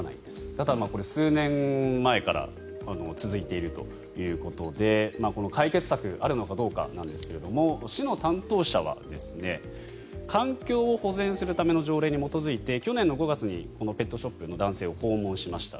ただ、数年前から続いているということでこの解決策あるのかどうかなんですが市の担当者は環境を保全するための条例に基づいて去年の５月にこのペットショップの男性を訪問しました。